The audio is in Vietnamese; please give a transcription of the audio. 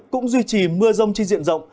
cũng duy trì mưa rông chi diện rộng